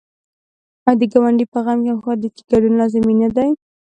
آیا د ګاونډي په غم او ښادۍ کې ګډون لازمي نه دی؟